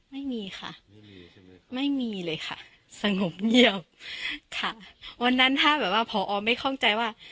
ไม่มีค่ะไม่มีเลยค่ะสงบเงียบค่ะวันนั้นถ้าแบบว่าพออ๋อไม่คล่องใจว่า